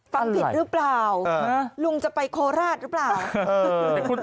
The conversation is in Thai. ฟังผิดหรือเปล่าลุงจะไปโคราชหรือเปล่า